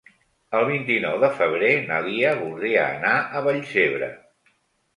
El vint-i-nou de febrer na Lia voldria anar a Vallcebre.